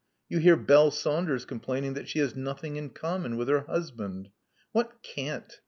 You hear Belle Saunders complaining that she has 'nothing in common' with her husband. What cant!